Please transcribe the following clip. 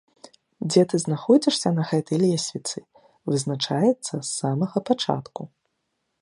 Дзе ты знаходзішся на гэтай лесвіцы, вызначаецца з самага пачатку.